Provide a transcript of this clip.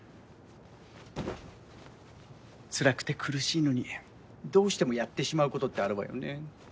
つらくて苦しいのにどうしてもやってしまうことってあるわよね。